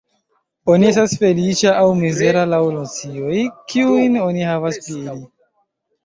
Oni estas feliĉa aŭ mizera laŭ nocioj, kiujn oni havas pri ili.